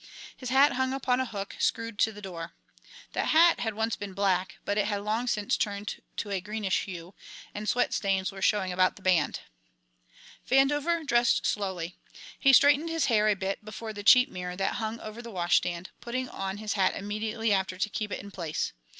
His hat hung upon a hook screwed to the door. The hat had once been black, but it had long since turned to a greenish hue, and sweat stains were showing about the band. Vandover dressed slowly. He straightened his hair a bit before the cheap mirror that hung over the washstand, putting on his hat immediately after to keep it in place.